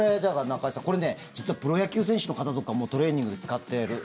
これね、実はプロ野球選手の方とかもトレーニングで使ってる。